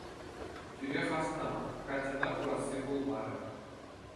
Тӳрех асӑнам, Катьӑна курасси пулмарӗ.